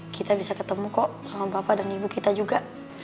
kita bisa ketemu kok sama bapak dan ibu kita juga